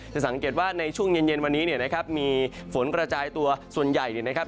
สังเกตว่าในช่วงเย็นเย็นวันนี้เนี่ยนะครับมีฝนกระจายตัวส่วนใหญ่เนี่ยนะครับ